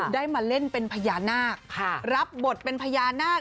ได้มาเล่นเป็นพญานาครับบทเป็นพญานาค